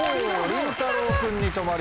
りんたろう君に止まりました。